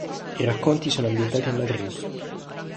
I racconti sono ambientati a Madrid.